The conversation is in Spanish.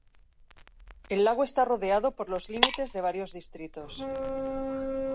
El lago está rodeado por los límites de varios distritos.